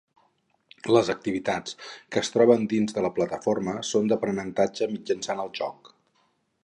Les activitats que es troben dins de la plataforma són d’aprenentatge mitjançant el joc.